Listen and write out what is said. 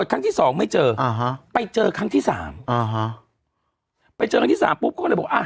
อ่าฮะไปเจอครั้งที่สามอ่าฮะไปเจอครั้งที่สามปุ๊บก็เลยบอกอ่ะ